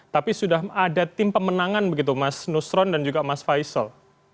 tapi sudah ada tim pemenangan begitu mas nusron dan juga mas faisal